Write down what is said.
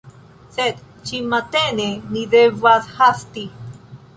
Sed, Ĉi matene ni devas hasti